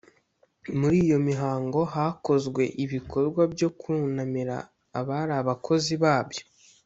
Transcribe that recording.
Muri iyo mihango hakozwe ibikorwa byo kunamira abari abakozi babyo .